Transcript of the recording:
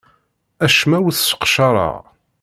Acemma ur t-sseqcareɣ.